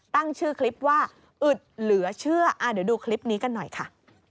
ตั้งชื่อคลิปว่าอึดเหลือเชื่อเดี๋ยวดูคลิปนี้กันหน่อยค่ะ